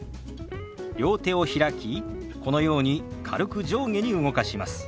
両手を開きこのように軽く上下に動かします。